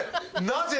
「なぜ？」